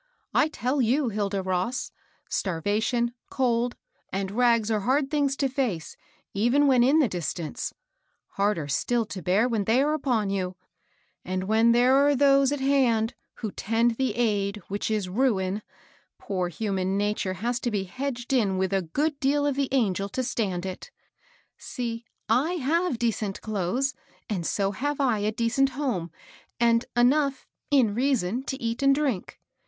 ^^I tell you, Hilda Ross, starvation, cold, and rags are hard things to face, even when in the dis tance ; harder still to bear when they are upon you ; and when there are those at hand who tend the aid which is ruin, poor human nature has to be hedged in with a good deal of the angel to stand it* See, J have decent clothes, and so have I a de cent home and enough in reason to eat and drink.